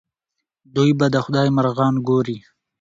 دوی به د خدای مرغان ګوري.